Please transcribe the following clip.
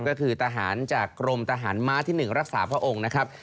ก็คือทหารจากกรมทหารม้าที่๑รักษาพระองค์นะครับ